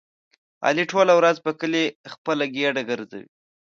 علي ټوله ورځ په کلي خپله ګېډه ګرځوي.